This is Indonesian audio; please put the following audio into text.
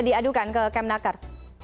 diadukan ke kemenaker